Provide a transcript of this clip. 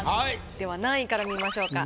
では何位から見ましょうか？